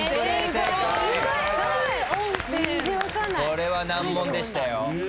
これは難問でしたよ。